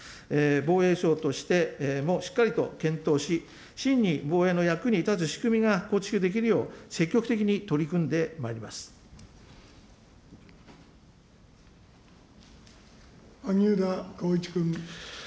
防衛省としてもしっかりと検討し、しんに防衛の役に立つ仕組みが構築できるよう、積極的に取り組ん萩生田光一君。